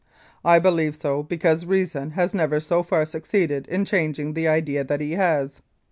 I believe so because reason has never so far succeeded in changing the idea that he has.